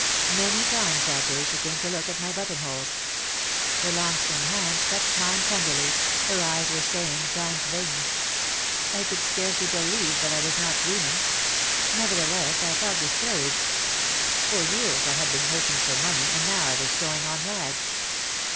Many times that day she came to look at my button holes. Her long slim hands touched mine tenderly, her eyes were saying kind things. I could scarcely believe that I was not dreaming. Nevertheless I felt discour aged. For years I had been working for money and now I was sewing on rags!